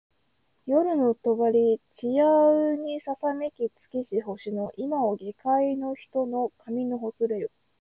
夜の帳ちやうにささめき尽きし星の今を下界げかいの人の髪のほつれよ